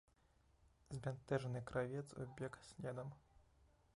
Збянтэжаны кравец убег следам.